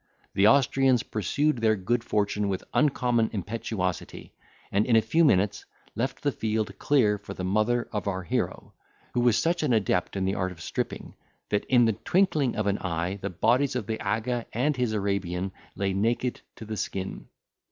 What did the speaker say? The Austrians pursued their good fortune with uncommon impetuosity, and in a few minutes left the field clear for the mother of our hero, who was such an adept in the art of stripping, that in the twinkling of an eye the bodies of the aga and his Arabian lay naked to the skin.